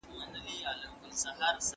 زه کښېناستل نه کوم!.